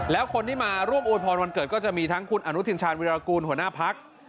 แล้วคนที่มาร่วมโอยพรวันเกิดก็จะมีทั้งคุณอนุทินชาญวิรากูลหัวหน้าพัก